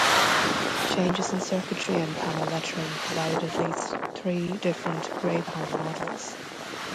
Changes in circuitry and panel lettering provided at least three different grey panel models.